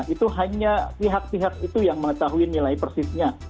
itu hanya pihak pihak itu yang mengetahui nilai persisnya